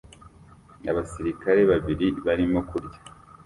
Abasirikare babiri barimo kurya